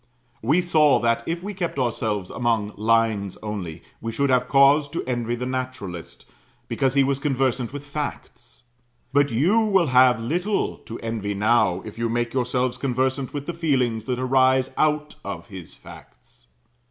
We saw that, if we kept ourselves among lines only, we should have cause to envy the naturalist, because he was conversant with facts; but you will have little to envy now, if you make yourselves conversant with the feelings that arise out of his facts.